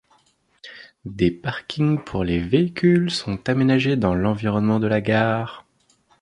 Des parkings pour les véhicules sont aménagés dans l'environnement de la gare.